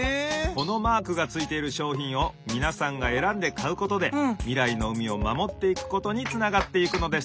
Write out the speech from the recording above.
このマークがついているしょうひんをみなさんがえらんでかうことでみらいの海をまもっていくことにつながっていくのです。